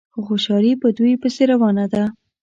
خو خوشحالي په دوی پسې روانه ده.